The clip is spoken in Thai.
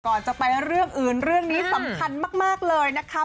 ก่อนจะไปเรื่องอื่นเรื่องนี้สำคัญมากเลยนะคะ